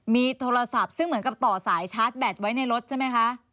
มีโทรศัพท์ซึ่งเหมือนกับต่อสายชาร์จแบตไว้ในรถใช่ไหมคะ